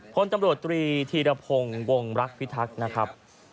พลตำรวจตรีธีรพงศ์วงรักพิทักษ์นะครับ